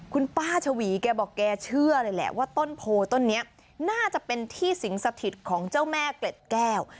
คุณป้าชวีแกบอกแกเชื่อเลยแหละว่าต้นโพต้นนี้น่าจะเป็นที่สิงสถิตของเจ้าแม่เกล็ดแก้ว